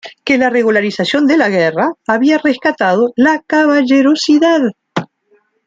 Que la regularización de la guerra había rescatado la caballerosidad!.